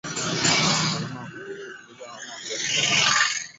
Hakuna kujishughulisha ama kuwasiliana na mwenye hatia